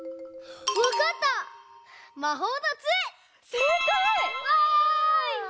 せいかい！わい！